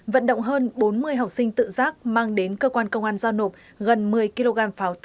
vận động hơn bốn mươi học sinh tự giác mang đến giao nộp